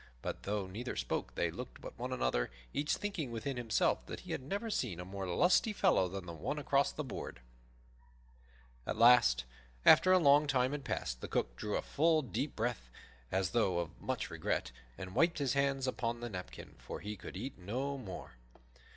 But though neither spoke, they looked at one another, each thinking within himself that he had never seen a more lusty fellow than the one across the board. At last, after a long time had passed, the Cook drew a full, deep breath, as though of much regret, and wiped his hands upon the napkin, for he could eat no more.